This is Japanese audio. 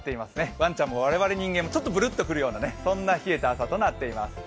ワンちゃんも我々人間もちょっと、ぶるっと来るようなそんな冷えた朝となっています。